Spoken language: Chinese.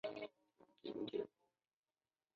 张种是梁太子中庶子临海郡太守张略之子。